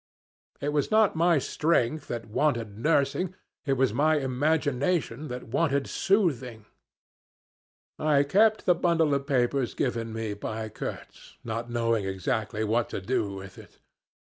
It was not my strength that wanted nursing, it was my imagination that wanted soothing. I kept the bundle of papers given me by Kurtz, not knowing exactly what to do with it.